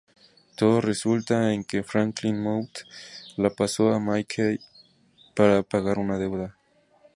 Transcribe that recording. Todo resulta en que Franklin Mott la pasó a Mickey para pagar una deuda.